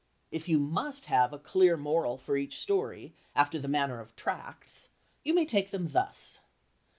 If you must have a clear moral for each story, after the manner of tracts, you may take them thus.